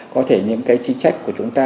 có thể những cái chính trách của chúng ta